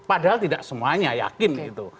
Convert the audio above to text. padahal tidak semuanya yakin gitu